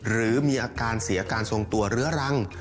หรือมีอาการเสียการทรงตัวเรื้อรัง